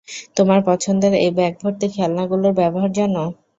তোমার পছন্দের এই ব্যাগ ভর্তি খেলনাগুলোর ব্যবহার জানো?